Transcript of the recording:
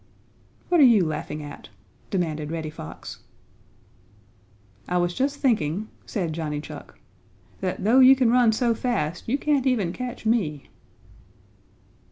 "What are you laughing at?" demanded Reddy Fox. "I was just thinking," said Johnny Chuck, "that though you can run so fast, you can't even catch me."